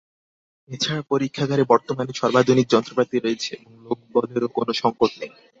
এ ছাড়া পরীক্ষাগারে বর্তমানে সর্বাধুনিক যন্ত্রপাতি রয়েছে এবং লোকবলেরও কোনো সংকট নেই।